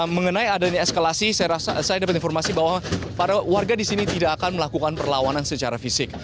mengenai adanya eskalasi saya dapat informasi bahwa para warga di sini tidak akan melakukan perlawanan secara fisik